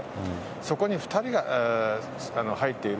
そこに２人が入っている。